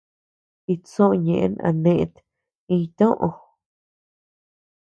Itsoʼö ñeʼen a net iñʼtoʼö.